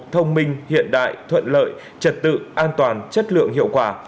thông minh hiện đại thuận lợi trật tự an toàn chất lượng hiệu quả